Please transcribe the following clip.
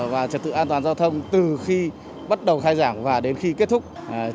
và trật tự an toàn giao thông từ khi bắt đầu khai giảng và đến khi kết thúc